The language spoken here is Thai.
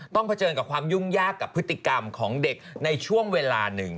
เผชิญกับความยุ่งยากกับพฤติกรรมของเด็กในช่วงเวลาหนึ่ง